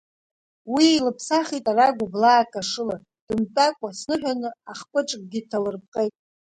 Уи илыԥсахит ара гәаблаак ашыла, дымтәакәа, сныҳәан ахпыҿгьы лҭалырпҟеит.